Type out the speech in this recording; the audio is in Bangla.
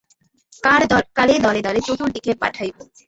কালে দলে দলে চতুর্দিকে পাঠাইব।